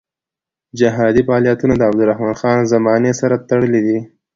جهادي فعالیتونه د عبدالرحمن خان زمانې سره تړلي دي.